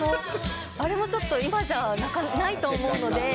あれもちょっと今じゃないと思うので。